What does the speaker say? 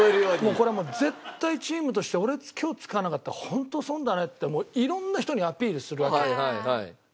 これはもう絶対チームとして俺今日使わなかったらホント損だねってもう色んな人にアピールするわけよ。